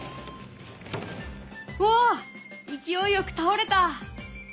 わあ勢いよく倒れた！